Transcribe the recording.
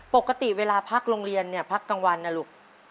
ปกติเวลาพักโรงเรียนเนี่ยพักกลางวันนะลูก